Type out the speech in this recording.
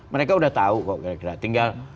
mereka udah tahu kok kira kira tinggal